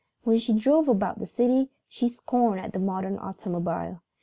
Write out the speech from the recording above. When she drove about the city she scorned the modern automobile.